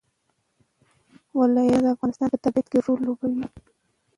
ولایتونه د افغانستان په طبیعت کې رول لوبوي.